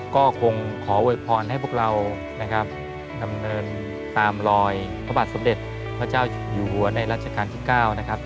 ก็คงขอโวยพรให้พวกเรานะครับดำเนินตามรอยพระบาทสมเด็จพระเจ้าอยู่หัวในรัชกาลที่๙นะครับ